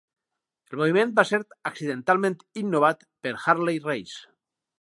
El moviment va ser accidentalment innovat per Harley Race.